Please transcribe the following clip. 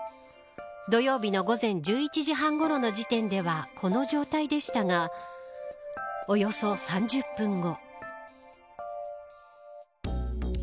土曜日の午前１１時半ごろの時点ではこの状態でしたがおよそ３０分後。